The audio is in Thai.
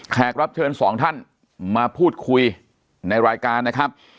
รับเชิญสองท่านมาพูดคุยในรายการนะครับ